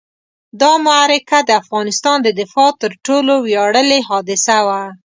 دا معرکه د افغانستان د دفاع تر ټولو ویاړلې حادثه وه.